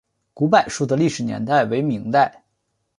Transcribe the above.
古柏树的历史年代为明代。